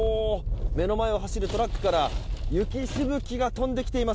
目の前を走るトラックから雪しぶきが飛んできています。